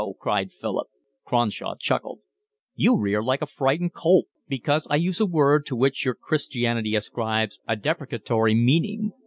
cried Philip. Cronshaw chuckled. "You rear like a frightened colt, because I use a word to which your Christianity ascribes a deprecatory meaning.